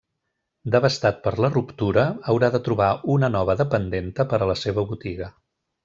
Devastat per la ruptura haurà de trobar una nova dependenta per a la seva botiga.